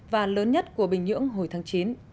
và lớn nhất của bình nhưỡng hồi tháng chín